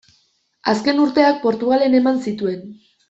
Azken urteak, Portugalen eman zituen.